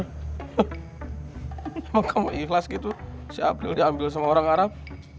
memang kamu ikhlas gitu si april diambil sama orang arab